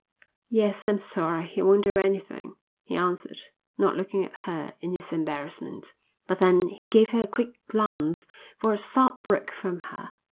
"Yes, I'm sorry, he won't do anything," he answered, not looking at her in his embarrassment. But then he gave her a quick glance, for a sob broke from her.